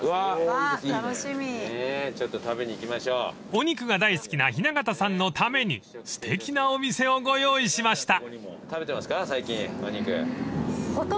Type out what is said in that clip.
［お肉が大好きな雛形さんのためにすてきなお店をご用意しました］